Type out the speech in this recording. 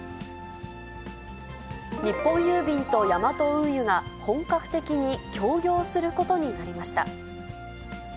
日本郵便とヤマト運輸が、本格的に協業することになりました。